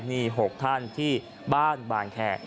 นี่๖ท่านที่บ้านบางแขก